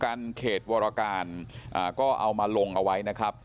เขตวรการอ่าก็เอามาลงเอาไว้นะครับ